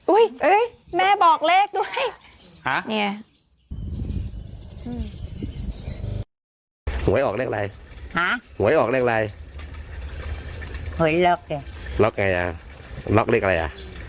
อุ้ยเอ้ยแม่บอกเลขด้วยฮะเนี้ย